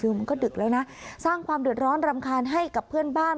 คือมันก็ดึกแล้วนะสร้างความเดือดร้อนรำคาญให้กับเพื่อนบ้าน